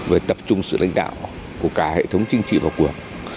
về tập trung sự lãnh đạo của cả hệ thống chính trị vào cuộc